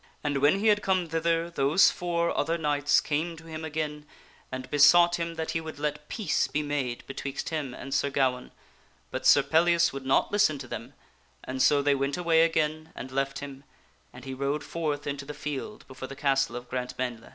And when he had come thither those four other knights came to him again and besought him that he would let peace be made betwixt him and Sir Gawaine, but Sir Pellias would not listen to them, and so they went away again and left him, and he rode forth into the field before the castle of Grantmesnle.